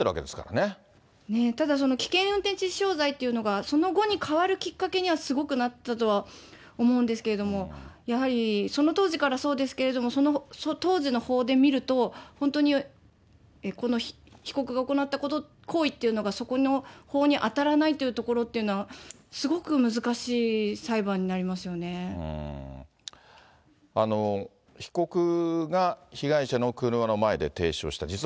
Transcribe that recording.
ねぇ、ただ危険運転致死傷罪というのが、その後に変わるきっかけには、すごくなったとは思うんですけれども、やはりその当時からそうですけど、その当時の法で見ると、本当にこの被告が行った行為というのが、そこの法にあたらないというところ、すごく難しい裁判になります被告が被害者の車の前で停止をした。